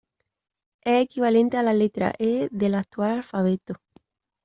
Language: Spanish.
Es equivalente a la letra Ее del actual alfabeto.